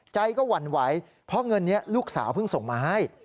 ใจก็หวั่นไหวเพราะเงินนี้ลูกสาวเพิ่งส่งมาให้